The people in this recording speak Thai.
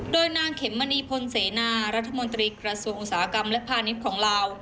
โดยนางเข็มมณีภนศีมานารัฐมนตรีกระชวงอุตสาหกรรมและภาณิภธรรมของลาว